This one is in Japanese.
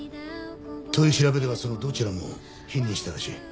取り調べではそのどちらも否認したらしい。